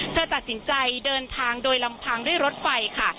เธอตัดสินใจเดินทางโดยลำพังด้วยรถไฟค่ะ